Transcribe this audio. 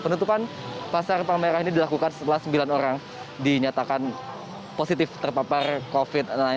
penutupan pasar palmerah ini dilakukan setelah sembilan orang dinyatakan positif terpapar covid sembilan belas